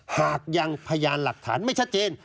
หากยังพยานหลักฐานไม่ชัดเจน